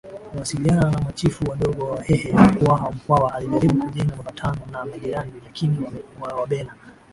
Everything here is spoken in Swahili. kuwasiliana na machifu wadogo wa Wahehe Mkwawa alijaribu kujenga mapatano na majirani lakini Wabena